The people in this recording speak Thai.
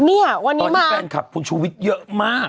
เนี่ยวันนี้แฟนคลับคุณชูวิทย์เยอะมาก